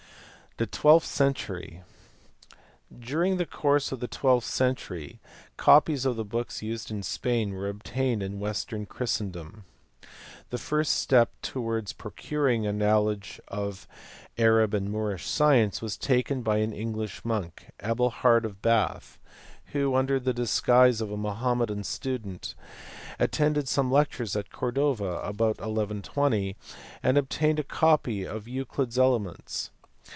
The twelfth century. During the course of the twelfth century copies of the books used in Spain were obtained in western Christendom. The first step towards procuring a knowledge of Arab and Moorish science was taken by an English monk, Adelhard of Bath t> who, under the disguise of a Mohammedan student, attended some lectures at Cordova about 1120 and obtained a copy of Euclid s Elements.